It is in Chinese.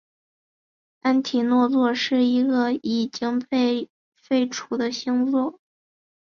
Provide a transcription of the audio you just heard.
安提诺座是一个已经被废除的星座。